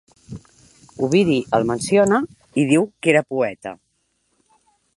Ovidi el menciona i diu que era poeta.